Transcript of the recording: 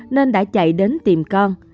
nên đã chạy đến tìm con